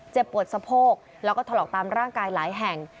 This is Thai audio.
ปวดสะโพกแล้วก็ถลอกตามร่างกายหลายแห่ง